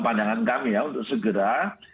pandangan kami ya untuk segera